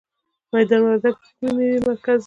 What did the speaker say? میدان وردګ د کومې میوې مرکز دی؟